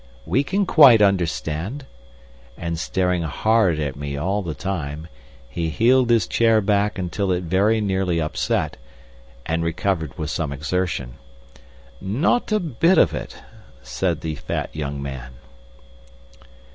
"We can quite understand," and staring hard at me all the time, he heeled his chair back until it very nearly upset, and recovered with some exertion. "Not a bit of it," said the fat young man.